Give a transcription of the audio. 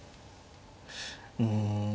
うん。